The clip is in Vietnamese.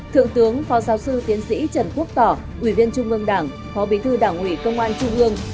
thượng tướng phó giáo sư tiến sĩ trần quốc tỏ ủy viên trung ương đảng phó bí thư đảng ủy công an trung ương